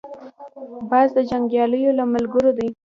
باز د جنګیالیو له ملګرو دی